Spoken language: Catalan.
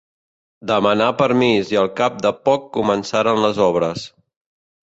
Demanà permís i al cap de poc començaren les obres.